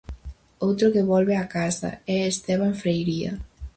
Outro que "volve á casa" é Esteban Freiría.